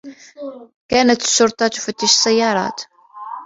كانت الشّرطة تفتّش السّيّارات.